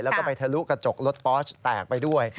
แล้วก็ไปทะลุกระจกรถปอสแตกไปด้วย